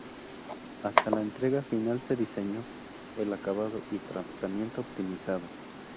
Hasta la Entrega final se Diseño, el Acabado y Tratamiento optimizado.